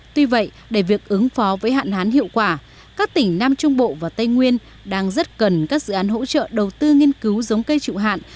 tuy vậy để việc ứng phó với hạn hán hiệu quả các tỉnh nam trung bộ và tây nguyên đang rất cần các dự án hỗ trợ đầu tư nghiên cứu giống cây trụ hạn